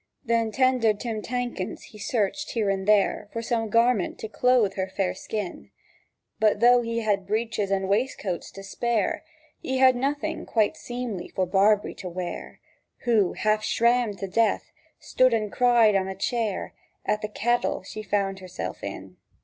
Then tender Tim Tankens he searched here and there For some garment to clothe her fair skin; But though he had breeches and waistcoats to spare, He had nothing quite seemly for Barbree to wear, Who, half shrammed to death, stood and cried on a chair At the caddle she found herself in.